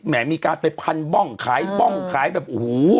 มีการไปพันบ้องขายบ้องขายแบบโอ้โห